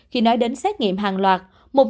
khi nói đến xét nghiệm hàng loạt